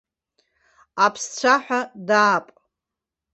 Аԥсцәаҳа даап.